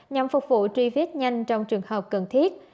nhằm phục vụ tri viết nhanh trong trường hợp cần thiết